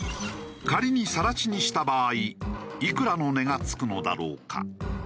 仮に更地にした場合いくらの値が付くのだろうか？